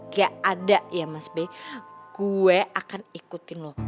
gak ada ya mas be gue akan ikutin lo